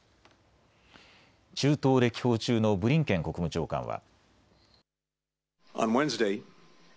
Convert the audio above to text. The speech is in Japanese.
中東歴訪中のブリンケン国務長官は。